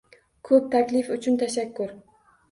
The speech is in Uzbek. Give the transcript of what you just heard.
“Xop. Taklif uchun tashakkur.”